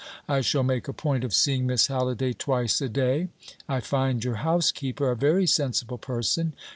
I shall make a point of seeing Miss Halliday twice a day. I find your housekeeper a very sensible person.